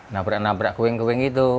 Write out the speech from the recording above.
nabrak nabrak kewing kewing gitu